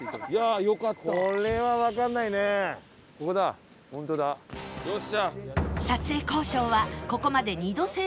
よっしゃー！